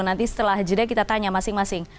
nanti setelah jeda kita tanya masing masing